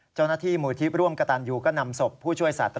เจ้าหน้าที่หมู่ที่ร่วมกระตันยูก็นำศพผู้ช่วยสัตว์